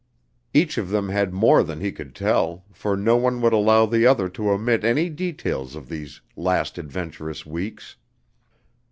Each of them had more than he could tell, for no one would allow the other to omit any details of these last adventurous weeks.